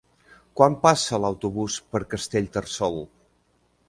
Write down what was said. Quan passa l'autobús per Castellterçol?